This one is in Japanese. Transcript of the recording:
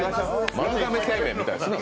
丸亀製麺みたいですね。